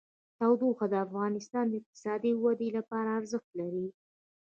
تودوخه د افغانستان د اقتصادي ودې لپاره ارزښت لري.